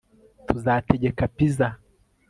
tuzategeka pizza